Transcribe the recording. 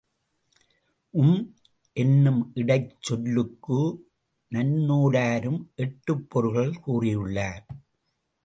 உம் என்னும் இடைச் சொல்லுக்கு நன்னூலாரும் எட்டுப் பொருள்கள் கூறியுள்ளார்.